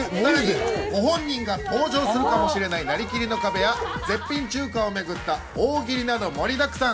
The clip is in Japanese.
ご本人が登場するかもしれない、なりきりの壁や絶品中華をめぐった大喜利など盛りだくさん。